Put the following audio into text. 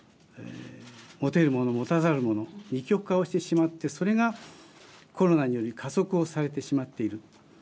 持てるもの持たざるもの二極化してしまってそれがコロナにより加速をされてしまっている。